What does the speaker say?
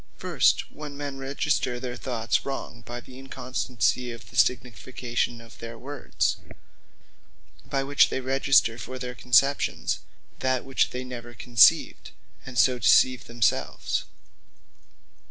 First, when men register their thoughts wrong, by the inconstancy of the signification of their words; by which they register for their conceptions, that which they never conceived; and so deceive themselves.